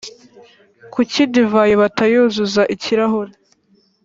kuki divayi batayuzuza ikirahure